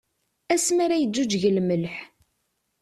Asmi ara yeǧǧuǧǧeg lmelḥ.